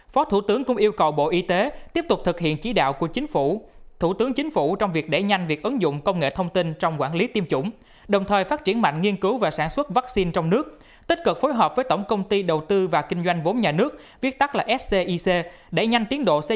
phó thủ tướng cũng yêu cầu bộ y tế tiếp tục thực hiện chỉ đạo của chính phủ thủ tướng chính phủ trong việc đẩy nhanh việc ứng dụng công nghệ thông tin trong quản lý tiêm chủng đồng thời phát triển mạnh nghiên cứu và sản xuất vaccine trong nước tích cực phối hợp với tổng công ty đầu tư và kinh doanh vốn nhà nước viết tắt là scic đẩy nhanh tiến độ xây dựng dự án đầu tư nhà máy sản xuất vaccine quy mô công nghiệp